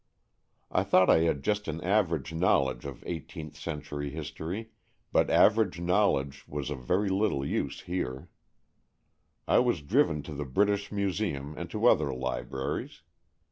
I thought I had just an average knowledge of eighteenth century history, but average know ledge was of very little use here. I was driven to the British Museum and to other libraries.